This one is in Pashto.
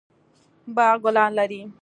باغ ګلان لري